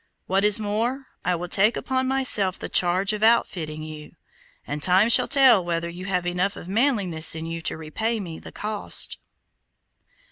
What is more, I will take upon myself the charge of outfitting you, and time shall tell whether you have enough of manliness in you to repay me the cost."